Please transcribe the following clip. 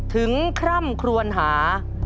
ถึงคร่ำครวญหา